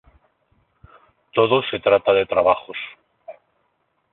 Todo se trata de trabajos.